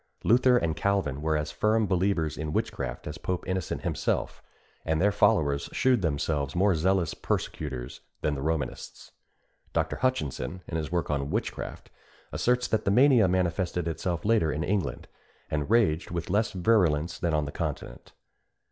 Luther and Calvin were as firm believers in witchcraft as Pope Innocent himself; and their followers shewed themselves more zealous persecutors than the Romanists. Dr. Hutchinson, in his work on Witchcraft, asserts that the mania manifested itself later in England, and raged with less virulence than on the continent.